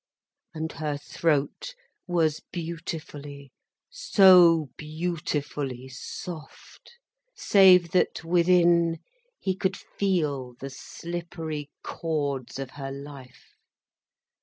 And her throat was beautifully, so beautifully soft, save that, within, he could feel the slippery chords of her life.